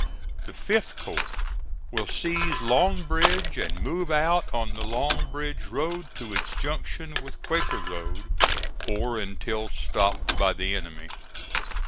The 5th corps will seize Long Bridge and move out on the Long Bridge Road to its junction with Quaker Road, or until stopped by the enemy.